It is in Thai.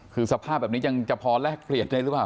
คือสภาพแบบนี้ยังจะพอแลกเปลี่ยนได้หรือเปล่า